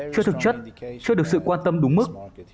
chưa thực chất chưa được sự quan tâm đúng mức